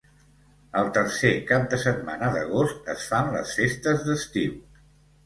El tercer cap de setmana d'agost es fan les festes d'estiu.